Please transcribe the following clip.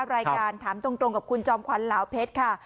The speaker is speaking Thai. รายการถามตรงกับคุณจอมขวัญลาวเพชรค่ะ